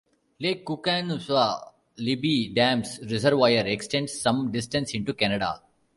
Lake Koocanusa, Libby Dam's reservoir, extends some distance into Canada.